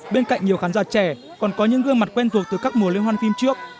bên cạnh nhiều khán giả trẻ còn có những gương mặt quen thuộc từ các mùa lên hoan phim trước